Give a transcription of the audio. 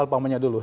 apa namanya dulu